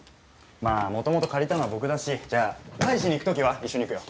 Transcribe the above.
まあもともと借りたのは僕だしじゃあ返しに行く時は一緒に行くよ。